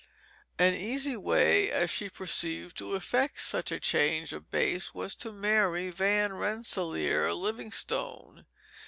An easy way, as she perceived, to effect such a change of base was to marry Van Rensselaer Livingstone.